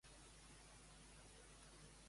Com eren la gent i les aus de la terra?